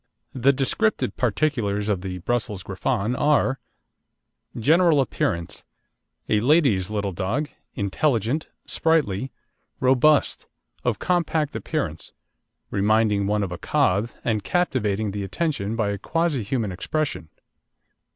The descriptive particulars of the Brussels Griffon are: GENERAL APPEARANCE A lady's little dog intelligent, sprightly, robust, of compact appearance reminding one of a cob, and captivating the attention by a quasi human expression.